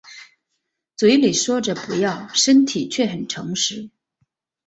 嘴里说着不要身体却很诚实